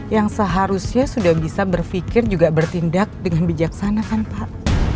yang seharusnya sudah bisa berpikir juga bertindak dengan bijaksana kan pak